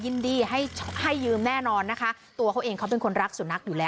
ยินดีให้ให้ยืมแน่นอนนะคะตัวเขาเองเขาเป็นคนรักสุนัขอยู่แล้ว